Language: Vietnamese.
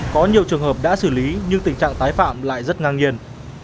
có nhiều trường hợp đã xử lý nhưng tình trạng tái phạm lại rất ngang nhiên